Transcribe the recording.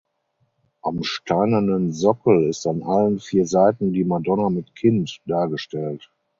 Am steinernen Sockel ist an allen vier Seiten die "Madonna mit Kind" dargestellt.